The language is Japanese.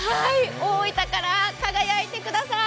大分から輝いてください。